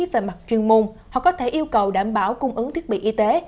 về mặt chuyên môn hoặc có thể yêu cầu đảm bảo cung ứng thiết bị y tế